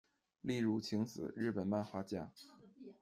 立入晴子，日本漫画家。